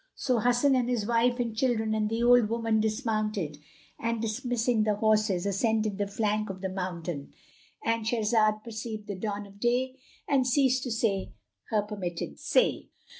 So Hasan and his wife and children and the old woman dismounted and dismissing the horses, ascended the flank of the mountain.—And Shahrazad perceived the dawn of day and ceased to say her permitted say.